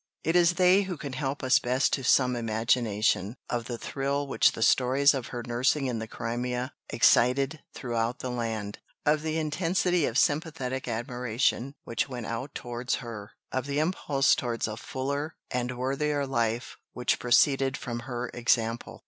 It is they who can help us best to some imagination of the thrill which the stories of her nursing in the Crimea excited throughout the land, of the intensity of sympathetic admiration which went out towards her, of the impulse towards a fuller and worthier life which proceeded from her example.